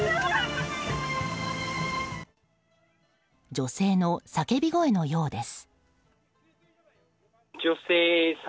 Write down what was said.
女性の叫び声のようです。